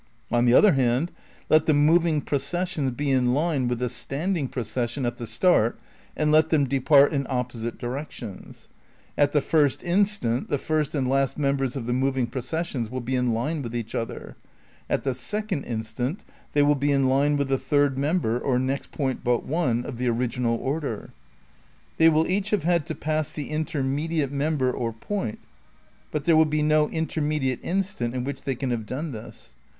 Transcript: On the other hand, let the moving pro cessions be in line vsdth the standing procession at the start and let them depart in opposite directions. At the first instant the first and last members of the mov ing processions mil be in line with each other. At the second instant they will be in line with the third mem ber, or next point but one, of the original order. They will each have had to pass the intermediate member or point; but there will be no intermediate instant in which they can have done this.